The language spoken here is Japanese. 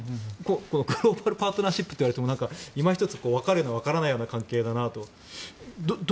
グローバル・パートナーシップといわれてもわかるようなわからないような関係だなと。